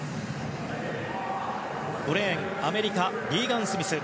５レーンアメリカ、リーガン・スミス。